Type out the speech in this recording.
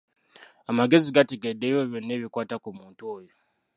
Amagezi gategedde ebyo byonna ebikwata ku muntu oyo.